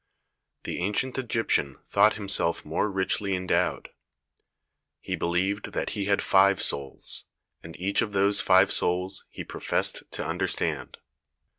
The ancient Egyptian thought himself more richly endowed. He believed that he had five souls, and each of those five souls he professed to under stand.